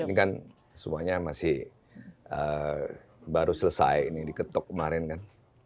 ini kan semuanya masih baru selesai ini diketok kemarin kan